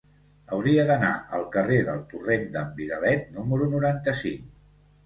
Hauria d'anar al carrer del Torrent d'en Vidalet número noranta-cinc.